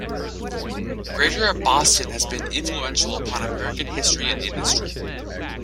Greater Boston has been influential upon American history and industry.